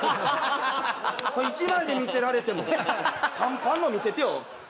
１枚で見せられてもパンパンの見せてよ